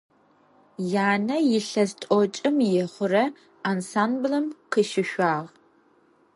Янэ илъэс тӏокӏым ехъурэ ансамблым къыщышъуагъ.